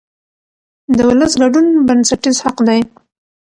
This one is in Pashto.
د ولس ګډون بنسټیز حق دی